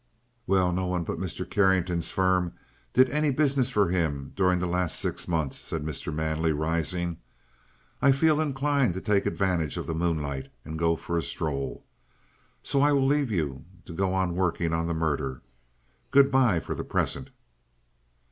"Well, no one but Mr. Carrington's firm did any business for him during the last six months," said Mr. Manley, rising. "I feel inclined to take advantage of the moonlight and go for a stroll. So I will leave you to go on working on the murder. Good bye for the present."